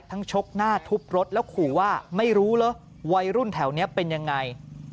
ชกหน้าทุบรถแล้วขู่ว่าไม่รู้เหรอวัยรุ่นแถวนี้เป็นยังไง